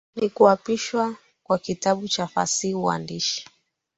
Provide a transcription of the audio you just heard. ni kuchapishwa kwa kitabu cha Fasihi Uandishi